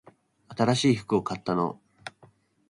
新しい服を買ったの？